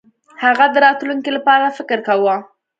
هغه د راتلونکي لپاره فکر کاوه.